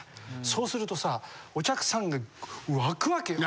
そうするとさお客さんが沸くわけよ。